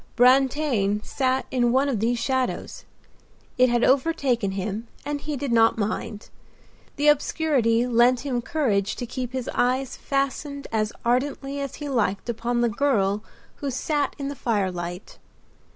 Brantain sat in one of these shadows; it had overtaken him and he did not mind. The obscurity lent him courage to keep his eyes fastened as ardently as he liked upon the girl who sat in the firelight.